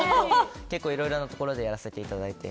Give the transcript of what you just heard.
結構いろいろなところでやらせていただいて。